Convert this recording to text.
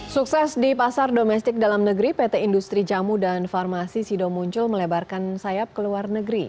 sukses di pasar domestik dalam negeri pt industri jamu dan farmasi sido muncul melebarkan sayap ke luar negeri